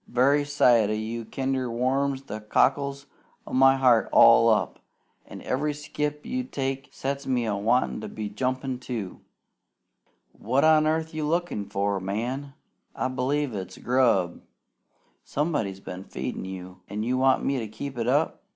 Very sight o' you kinder warms the cockles o' my heart all up, an' every skip you take sets me a wantin' to be jumpin', too. "What on earth are you lookin' for? Man! I b'lieve it's grub! Somebody's been feedin' you! An' you want me to keep it up?